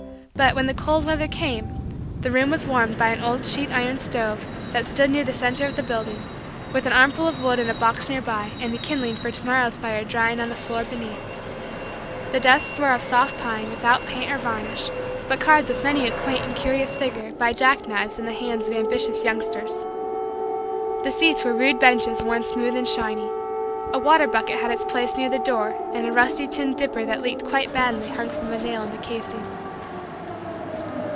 But, when the cold weather came, the room was warmed by an old sheet iron stove that stood near the center of the building with an armful of wood in a box nearby and the kindlings for to morrow's fire drying on the floor beneath. The desks were of soft pine, without paint or varnish, but carved with many a quaint and curious figure by jack knives in the hands of ambitious youngsters. The seats were rude benches worn smooth and shiny. A water bucket had its place near the door and a rusty tin dipper that leaked quite badly hung from a nail in the casing.